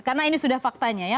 karena ini sudah faktanya ya